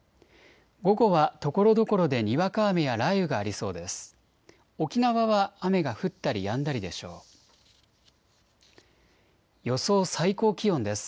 午後はところどころでにわか雨や雷雨がありそうです。